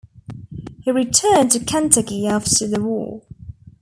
He returned to Kentucky after the war.